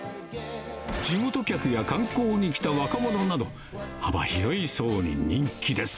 地元客や観光に来た若者など、幅広い層に人気です。